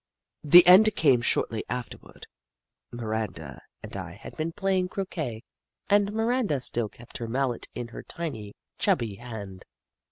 The end came shortly afterward. Miranda Snoof 79 and I had been playing croquet and Miranda still kept her mallet in her tiny, chubby hand.